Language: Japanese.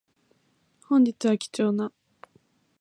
本日は貴重な